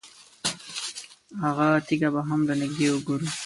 هغه تیږه به هم له نږدې وګورو.